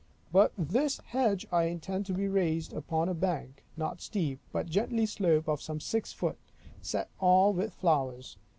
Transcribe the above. But this hedge I intend to be raised upon a bank, not steep, but gently slope, of some six foot, set all with flowers.